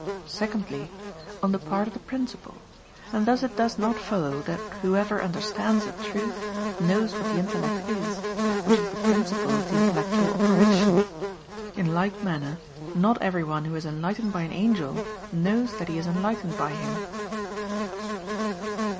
Secondly, on the part of the principle; and thus it does not follow that whoever understands a truth, knows what the intellect is, which is the principle of the intellectual operation. In like manner not everyone who is enlightened by an angel, knows that he is enlightened by him.